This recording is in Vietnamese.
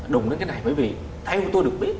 đùng đến cái này bởi vì theo tôi được biết